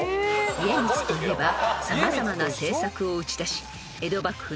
［家光といえば様々な政策を打ち出し］